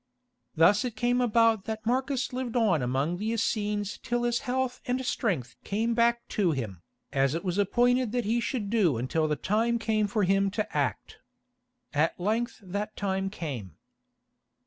Thus it came about that Marcus lived on among the Essenes till his health and strength came back to him, as it was appointed that he should do until the time came for him to act. At length that time came.